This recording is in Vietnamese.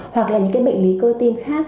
hoặc là những cái bệnh lý cơ tim khác